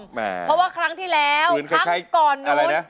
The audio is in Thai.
เพราะว่าครั้งที่แล้วพักก่อนนู้น